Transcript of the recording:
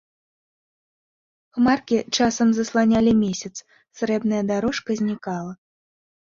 Хмаркі часам засланялі месяц, срэбная дарожка знікала.